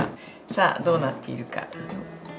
さあどうなっているか？